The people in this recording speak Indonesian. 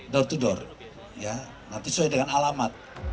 door to door nanti sesuai dengan alamat